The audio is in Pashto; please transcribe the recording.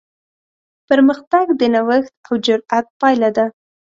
پرمختګ د نوښت او جرات پایله ده.